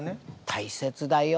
大切だよ。